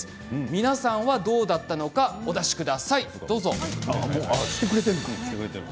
皆さんはいかがだったのかお出しください。